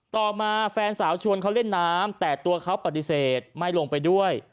ต่อมาแฟนสาวชวนเขาเล่นน้ำแต่ตัวเขาปฏิเสธไม่ลงไปด้วย